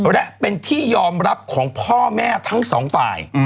และเป็นที่ยอมรับของพ่อแม่ทั้งสองฝ่าย